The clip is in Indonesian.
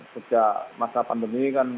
sejak masa pandemi kan